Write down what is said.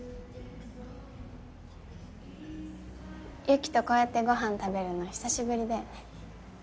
雪とこうやってご飯食べるの久しぶりだよね。